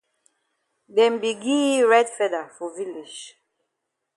Dem be gi yi red feather for village.